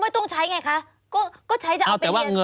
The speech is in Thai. สนุนโดยหวานได้ทุกที่ที่มีพาเลส